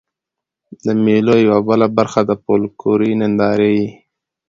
د مېلو یوه بله برخه د فکلوري نندارې يي.